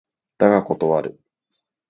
だが断る